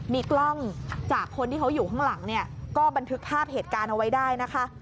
มีกล้องจากคนที่เขาอยู่ข้างหลังเนี่ยก็บันทึกภาพเหตุการณ์เอาไว้ได้นะคะ